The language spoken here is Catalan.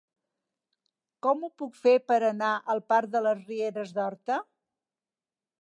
Com ho puc fer per anar al parc de les Rieres d'Horta?